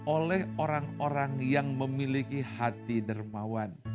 oleh orang orang yang memiliki hati dermawan